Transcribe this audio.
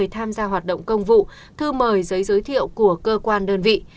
thư mời giấy giới thiệu của cơ quan đơn vị